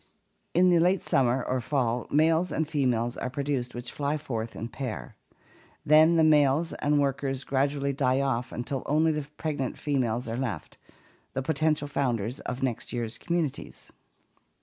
In late summer or fall males and females are pro duced which fly forth and pair. Then the males and workers gradually die off until only the pregnant females are left — the potential founders of next year's communities.